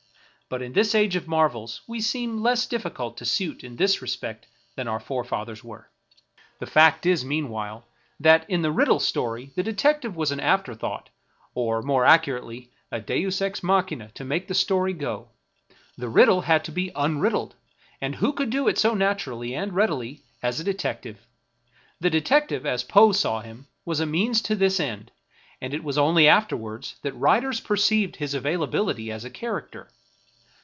But in this age of marvels we seem less difficult to suit in this respect than our forefathers were. The fact is, meanwhile, that, in the riddle story, the de tective was an afterthought, or, more accurately, a deus ex machina to make the story go. The riddle had to be un riddled ; and who could do it so naturally and readily as a detective ? The detective, as Poe saw him, was a means to this end ; and it was only afterwards that writers perceived his availability as a character.